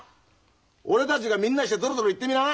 俺たちがみんなしてぞろぞろ行ってみな。